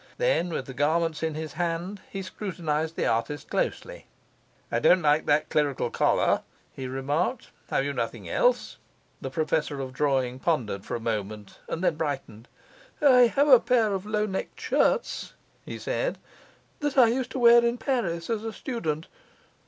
Then, with the garments in his hand, he scrutinized the artist closely. 'I don't like that clerical collar,' he remarked. 'Have you nothing else?' The professor of drawing pondered for a moment, and then brightened; 'I have a pair of low necked shirts,' he said, 'that I used to wear in Paris as a student.